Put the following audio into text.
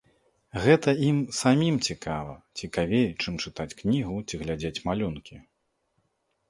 Гэта ім самім цікава, цікавей, чым чытаць кнігу ці глядзець малюнкі.